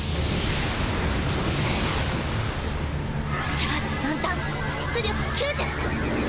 チャージ満タン出力９０。